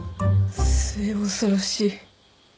末恐ろしい。